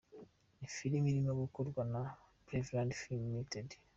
Ni filimi irimo gukorwa na Braveland films Ltd.